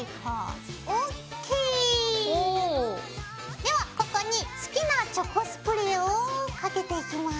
ではここに好きなチョコスプレーをかけていきます。